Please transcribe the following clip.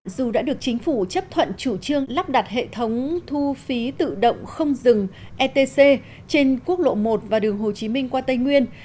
dù đã được chính phủ chấp thuận chủ trương lắp đặt hệ thống thu phí tự động không dừng etc trên quốc lộ một và đường hồ chí minh qua tây nguyên